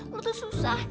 lu tuh susah